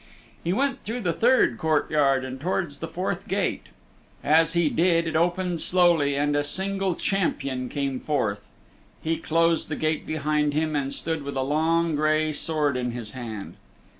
He went through the third courtyard and towards the fourth gate. As he did it opened slowly and a single champion came forth. He closed the gate behind him and stood with a long gray sword in his hand.